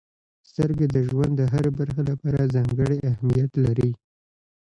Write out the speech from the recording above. •سترګې د ژوند د هرې برخې لپاره ځانګړې اهمیت لري.